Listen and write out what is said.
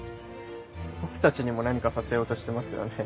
僕たちにも何かさせようとしてますよね？